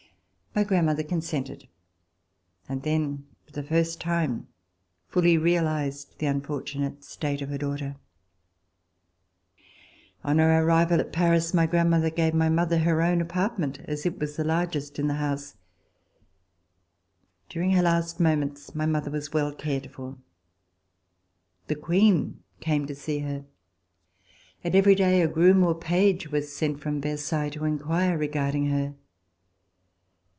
My grandmother consented, and then for the first time fully realized the unfortunate state of her daughter. On our arrival at Paris, my grandmother gave my mother her own apartment, as it was the largest in C>3] RECOLLECTIONS OF THE REVOLUTION the house. During her last moments my mother was well cared for. The Queen came to see her, and every day a groom or a page was sent from Versailles to inquire regarding her.